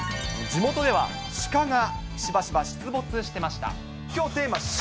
地元ではシカがしばしば出没してました。